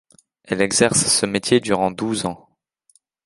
Elle exerce ce métier durant douze ans.